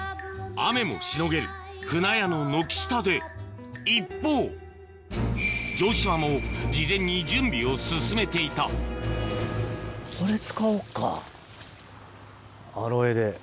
雨もしのげる舟屋の軒下で一方城島も事前に準備を進めていたこれ使おうか。